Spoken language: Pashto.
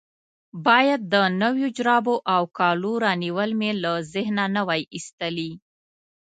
باید د نویو جرابو او کالو رانیول مې له ذهنه نه وای ایستلي.